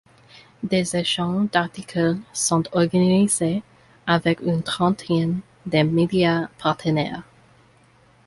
Des échanges d’articles sont organisés avec une trentaine de médias partenaires.